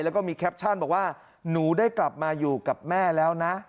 แล้วก็มีแคปชั่นบอกว่าหนูได้กลับมาอยู่กับแม่แล้วนะ